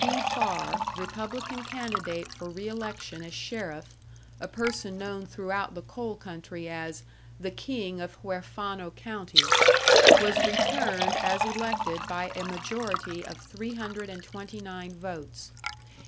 B. Farr, Republican candidate for re election as sheriff, a person known throughout the coal country as "the King of Huerfano County," was returned as elected by a majority of 329 votes.